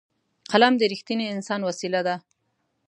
قلم د رښتیني انسان وسېله ده